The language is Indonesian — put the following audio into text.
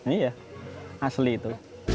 iya asli itu